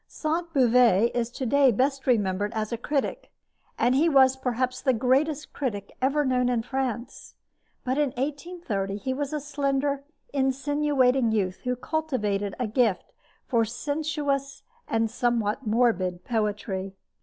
Sainte Beuve is to day best remembered as a critic, and he was perhaps the greatest critic ever known in France. But in 1830 he was a slender, insinuating youth who cultivated a gift for sensuous and somewhat morbid poetry.